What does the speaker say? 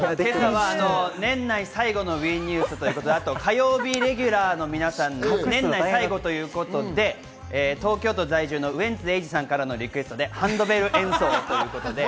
年内最後のＷＥニュースということで、あと火曜日レギュラーの皆さん、年内最後ということで東京都在住のウエンツ瑛士さんからのリクエストでハンドベル演奏お前からか。